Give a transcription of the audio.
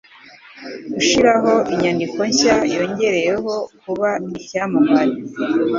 Gushiraho inyandiko nshya yongeyeho kuba icyamamare.